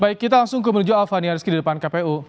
baik kita langsung kemenuju alfa niariski di depan kpu